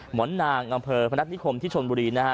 หมอนนางอำเภอพนัฐนิคมที่ชนบุรีนะฮะ